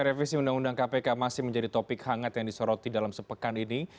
revisi undang undang kpk masih menjadi topik hangat yang disoroti dalam sepekan ini